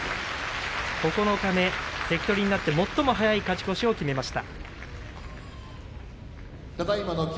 九日目で、関取になって最も早い勝ち越しを決めました。